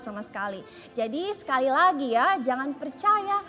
sama sekali jadi sekali lagi ya jangan percaya